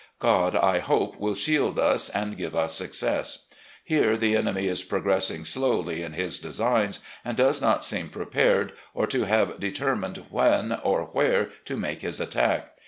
God, I hope, will shield us and give us success. Here the enemy is progressing slowly in his designs, and does not seem prepared, or to have determined when or where to make his attack.